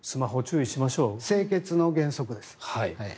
清潔の原則です。